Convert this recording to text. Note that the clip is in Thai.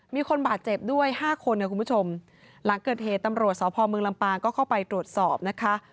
มีคนบาดเจ็บด้วยห้าคนนะคุณผู้ชมหลังเกิดเหตุตำรวจสพเมืองลำปางก็เข้าไปตรวจสอบนะคะ